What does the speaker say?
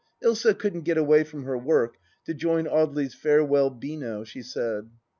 Dsa couldn't get away from her work to join Audeley's farewell beano, she said. .